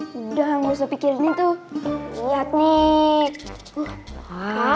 hai udah nggak usah pikirin itu lihat nih